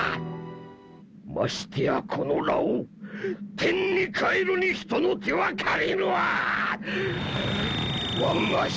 ましてやこのラオウ天に帰るに人の手は借りぬわ！